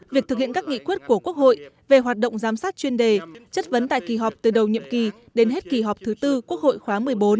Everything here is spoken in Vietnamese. việc thực hiện các nghị quyết của quốc hội về hoạt động giám sát chuyên đề chất vấn tại kỳ họp từ đầu nhiệm kỳ đến hết kỳ họp thứ tư quốc hội khóa một mươi bốn